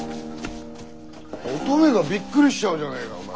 オトメがびっくりしちゃうじゃねえかお前。